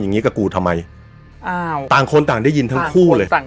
อย่างงีกับกูทำไมอ้าวต่างคนต่างได้ยินทั้งคู่เลยต่าง